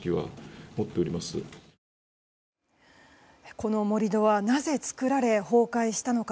この盛り土はなぜ作られ崩壊したのか。